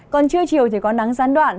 còn trưa chiều thì có nắng gián đoạn